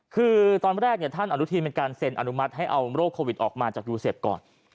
คือตอนแรกท่านอนุทีนเป็นการเซ็นอนุมัติให้เอาโรคโควิดออกมาจากยูเซฟก่อน